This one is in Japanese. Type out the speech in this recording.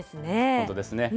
本当ですね。